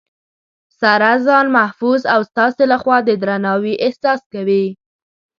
سره ځان محفوظ او ستاسې لخوا د درناوي احساس کوي